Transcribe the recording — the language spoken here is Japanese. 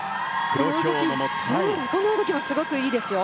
陸上の動きもすごくいいですよ。